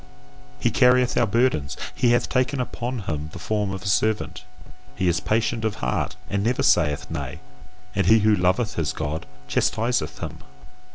He carrieth our burdens, he hath taken upon him the form of a servant, he is patient of heart and never saith Nay; and he who loveth his God chastiseth him.